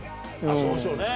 そうでしょうね。